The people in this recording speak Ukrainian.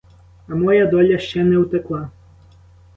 А моя доля ще не утекла.